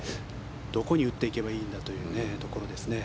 どこに打っていけばいいんだというところですね。